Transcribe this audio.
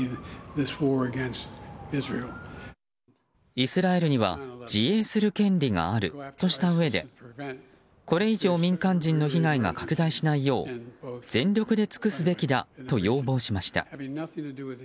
イスラエルには自衛する権利があるとしたうえでこれ以上民間人の被害が拡大しないよう全力で尽くすべきだと要望しました。